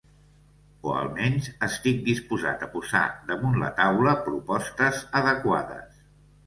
O almenys, estic disposat a posar damunt la taula propostes adequades.